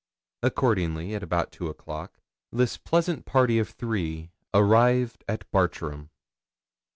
Accordingly, at about two o'clock, this pleasant party of three arrived at Bartram.